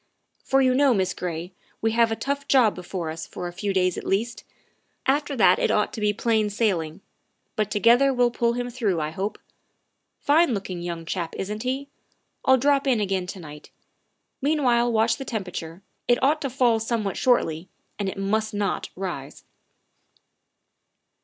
" For you know, Miss Gray, we have a tough job before us for a few days at least; after that it ought to be plain sailing. But together we'll pull him through, 268 THE WIFE OF I hope. Fine looking young chap, isn't he? I'll drop in again to night. Meanwhile watch the temperature; it ought to fall somewhat shortly, and it must not rise.